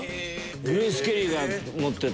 グレース・ケリーが持ってた。